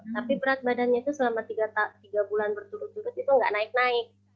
tapi berat badannya itu selama tiga bulan berturut turut itu nggak naik naik